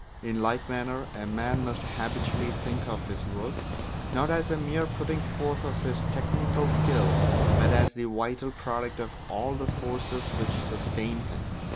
In like manner a man must habitually think of his work, not as a mere putting forth of his technical skill, but as the vital product of all the forces which sustain him.